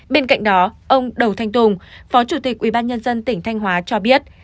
bên cạnh đó ông đầu thanh tùng phó chủ tịch ubnd tỉnh thanh hóa cho biết